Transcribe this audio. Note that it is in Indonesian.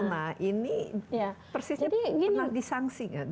nah ini persisnya pernah disangsikan